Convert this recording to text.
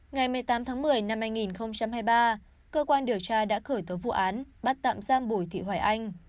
ngày một mươi tám tháng một mươi năm hai nghìn hai mươi ba cơ quan điều tra đã khởi tố vụ án bắt tạm giam bùi thị hoài anh